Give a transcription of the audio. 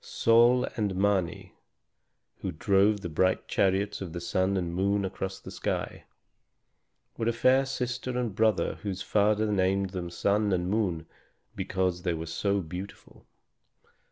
Sôl and Mâni, who drove the bright chariots of the sun and moon across the sky, were a fair sister and brother whose father named them Sun and Moon because they were so beautiful.